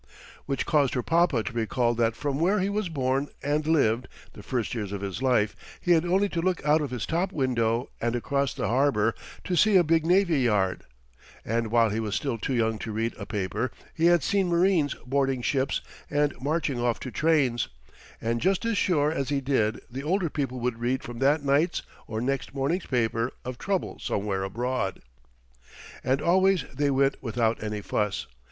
Which caused her papa to recall that from where he was born and lived the first years of his life he had only to look out of his top window and across the harbor to see a big navy yard; and while he was still too young to read a paper, he had seen marines boarding ships and marching off to trains; and just as sure as he did the older people would read from that night's or next morning's paper of trouble somewhere abroad. And always they went without any fuss.